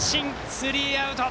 スリーアウト。